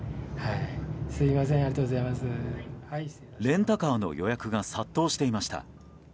レンタカーの予約が殺到していました。